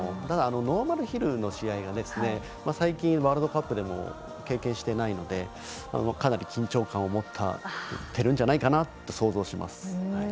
ただ、ノーマルヒルの試合が最近、ワールドカップでも経験していないのでかなり、緊張感を持ってるんじゃないかなと想像します。